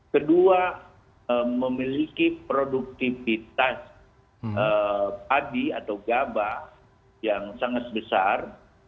kedua memiliki produktivitas padi atau gabah yang sangat besar